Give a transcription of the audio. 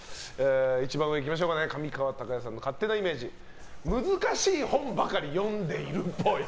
一番上、上川隆也さんの勝手なイメージ難しい本ばかり読んでいるっぽい。